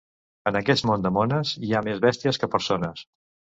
En aquest món de mones hi ha més bèsties que persones.